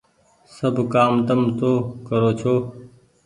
سب ڪآم تم تو ڪرو ڇو۔